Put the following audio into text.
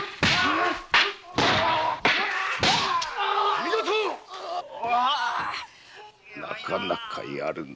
見事なかなかやるな。